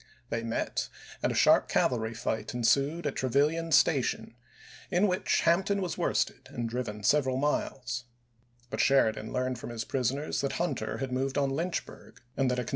They met, and a sharp cavalry fight ensued at Trevilian station in which Juno n. Hampton was worsted and driven several miles. But Sheridan learned from his prisoners that Hunter had moved on Lynchburg and that a con 406 ABKAHAM LINCOLN June, 1864. ch.